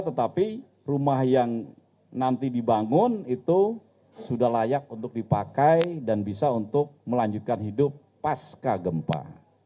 tetapi rumah yang nanti dibangun itu sudah layak untuk dipakai dan bisa untuk melanjutkan hidup pasca gempa